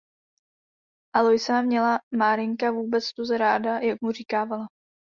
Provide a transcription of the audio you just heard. Aloisa měla Márinka vůbec tuze ráda, jak mu říkávala.